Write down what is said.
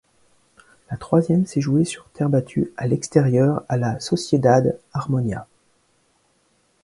La troisième s'est jouée sur terre battue à l'extérieur à la Sociedade Harmonia.